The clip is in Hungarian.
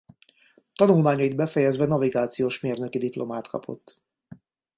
Tanulmányait befejezve navigációs mérnöki diplomát kapott.